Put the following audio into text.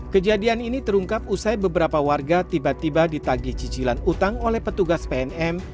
kejadian ini terungkap usai beberapa warga tiba tiba ditagih cicilan utang oleh petugas pnm